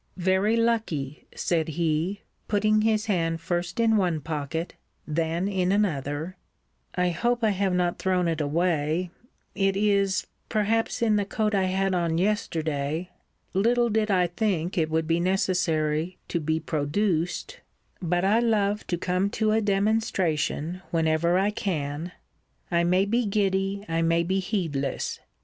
Very lucky! said he, putting his hand first in one pocket, then in another I hope I have not thrown it away it is, perhaps, in the coat I had on yesterday little did I think it would be necessary to be produced but I love to come to a demonstration whenever I can I may be giddy I may be heedless.